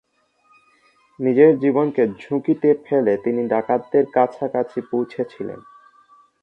নিজের জীবনকে ঝুঁকিতে ফেলে তিনি ডাকাতদের কাছাকাছি পৌঁছেছিলেন।